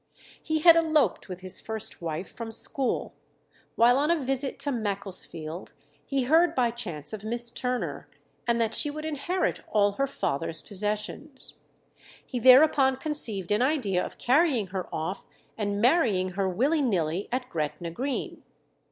He had eloped with his first wife from school. While on a visit to Macclesfield he heard by chance of Miss Turner, and that she would inherit all her father's possessions. He thereupon conceived an idea of carrying her off and marrying her willy nilly at Gretna Green.